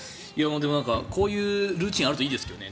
こういうルーチンあるといいですけどね。